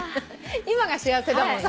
今が幸せだもんね。